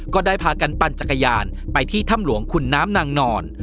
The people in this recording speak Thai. ก็ได้พากันปั่นจักรยานไปที่ถ้ำหลวงขุนน้ำนางนอน